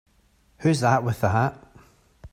Who's that with the hat?